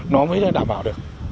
nó mới đảm bảo được